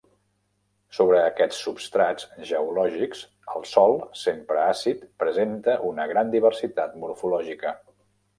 Sobre aquests substrats geològics el sòl, sempre àcid, presenta una gran diversitat morfològica.